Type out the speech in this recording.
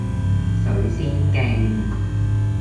水仙徑